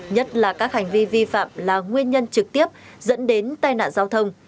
nhất là các hành vi vi phạm là nguyên nhân trực tiếp dẫn đến tai nạn giao thông